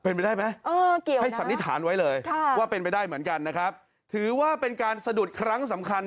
เป็นไปได้ไหมให้สันนิษฐานไว้เลยว่าเป็นไปได้เหมือนกันนะครับถือว่าเป็นการสะดุดครั้งสำคัญ